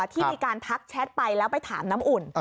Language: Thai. ที่มีการทักแชทไปแล้วไปถามน้ำอุ่น